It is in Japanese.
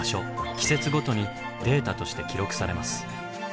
季節ごとにデータとして記録されます。